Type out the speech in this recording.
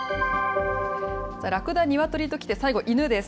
ラクダ、ニワトリときて、最後、犬です。